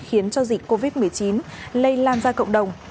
khiến cho dịch covid một mươi chín lây lan ra cộng đồng